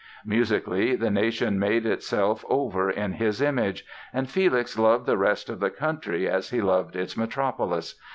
Musically, the nation made itself over in his image. And Felix loved the rest of the country as he loved its metropolis.